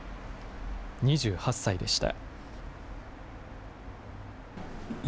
２８歳でした。